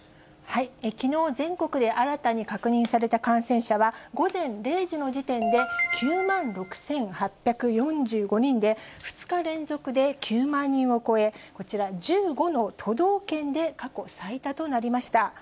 きのう、全国で新たに確認された感染者は、午前０時の時点で９万６８４５人で、２日連続で９万人を超え、こちら、１５の都道県で過去最多となりました。